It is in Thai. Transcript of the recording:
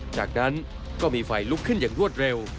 จากนั้นก็มีไฟลุกขึ้นอย่างรวดเร็ว